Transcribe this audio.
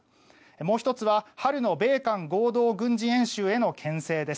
もう１つは春の米韓合同軍事演習への牽制です。